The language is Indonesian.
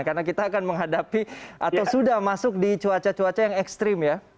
karena kita akan menghadapi atau sudah masuk di cuaca cuaca yang ekstrim ya